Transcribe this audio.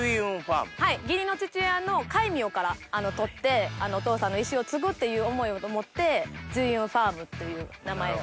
義理の父親の戒名から取ってお義父さんの遺志を継ぐっていう思いを持って「瑞雲ファーム」という名前を。